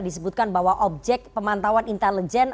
disebutkan bahwa objek pemantauan intelijen